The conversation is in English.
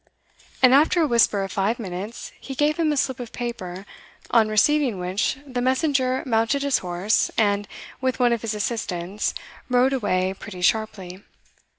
And after a whisper of five minutes, he gave him a slip of paper, on receiving which, the messenger mounted his horse, and, with one of his assistants, rode away pretty sharply.